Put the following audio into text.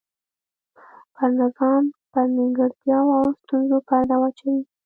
پر نظام پر نیمګړتیاوو او ستونزو پرده واچوي.